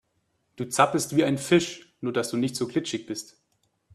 Du zappelst wie ein Fisch, nur dass du nicht so glitschig bist.